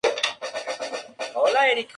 Carreira, María.